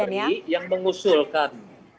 inisiatif datang dari kkori yang mengusulkan